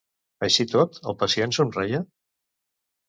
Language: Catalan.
Així i tot, el pacient somreia?